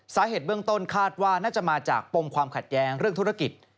สาเหตุเบื้องต้นคาดว่าน่าจะมาจากปมความขัดแย้งเรื่องธุรกิจ